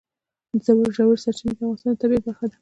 ژورې سرچینې د افغانستان د طبیعت برخه ده.